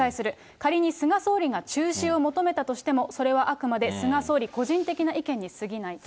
仮に菅総理が中止を求めたとしても、それはあくまで菅総理個人的な意見にすぎないと。